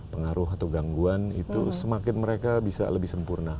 pengaruh atau gangguan itu semakin mereka bisa lebih sempurna